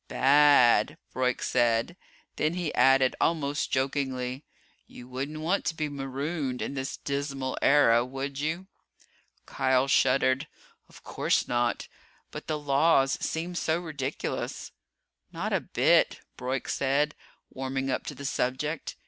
"Bad," Broyk said. Then he added, almost jokingly: "You wouldn't want to be marooned in this dismal era, would you?" Kial shuddered. "Of course not. But the Laws seem so ridiculous." "Not a bit," Broyk said, warming up to the subject.